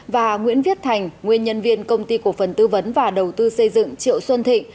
và nguyễn viết thành nguyên nhân viên công ty cổ phần tư vấn và đầu tư xây dựng triệu xuân thịnh